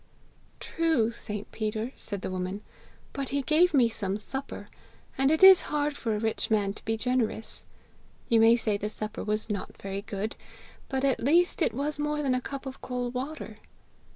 'True, St. Peter,' said the woman, 'but he gave me some supper, and it is hard for a rich man to be generous! You may say the supper was not very good, but at least it was more than a cup of cold water!'